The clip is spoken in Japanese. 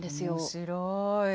面白い。